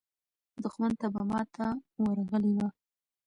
دښمن ته به ماته ورغلې وه.